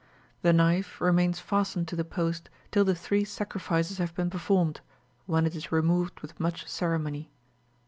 The knife remains fastened to the post till the three sacrifices have been performed, when it is removed with much ceremony."